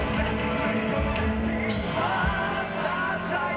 แม้ฉันยังไหลในความสิ่งที่โคตร